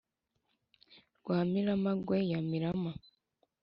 rwa miramagwe ya mirama,